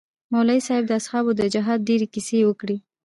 مولوي صاحب د اصحابو د جهاد ډېرې کيسې وکړې.